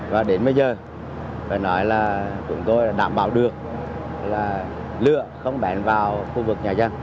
và đến bây giờ phải nói là chúng tôi đảm bảo được là lửa không bèn vào khu vực nhà chân